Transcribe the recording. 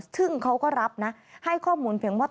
ซึ่งเขาก็รับนะให้ข้อมูลเพียงว่า